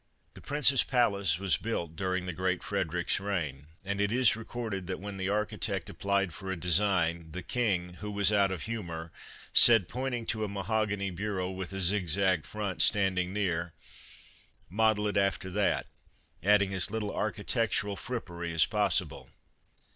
" The Prince's palace was built during the Great Frederic's reign, and it is recorded that when the architect applied for a design the King, who was out of humor, said, pointing to a mahogany bureau with a zigzag front standing near: " Model it after that, adding as little architectural frippery as possible."